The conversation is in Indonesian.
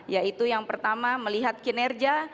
yaitu yang pertama melihat kinerja